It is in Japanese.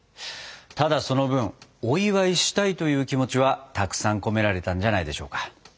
ただその分お祝いしたいという気持ちはたくさん込められたんじゃないでしょうか。